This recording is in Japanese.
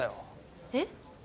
えっ？